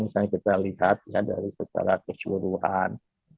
misalnya kita lihat dari secara keseluruhan